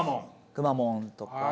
くまモンとか。